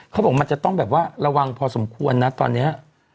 เขาบอกมันจะต้องแบบว่าระวังพอสมควรนะตอนนี้